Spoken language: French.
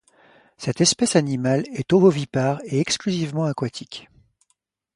Cette espèce animal est ovovivipare et exclusivement aquatique.